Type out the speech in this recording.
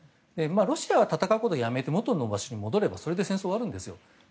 ロシアは、戦うことをやめて元の場所へ戻ればそれで戦争は終わるんですよ。